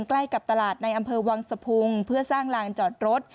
ใกล้กับตลาดในอำเภอวังสะพุงเพื่อสร้างลานจอดรถ